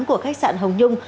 của khách sạn hồng nhung